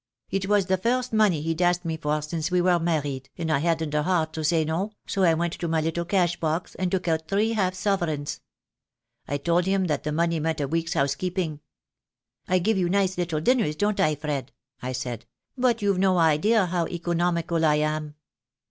It was the first money he'd asked me for since we were married, and I hadn't the heart to say no, so I went to my little cash box and took out three THE DAY WILL COME. 1 93 half sovereigns. I told him that the money meant a week's housekeeping. 'I give you nice little dinners, don't I, Fred?' I said, 'but you've no idea how economical I am.'